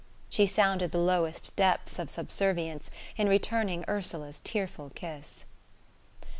She sounded the lowest depths of subservience in returning Ursula's tearful kiss....